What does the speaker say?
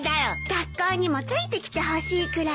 学校にもついてきてほしいくらい。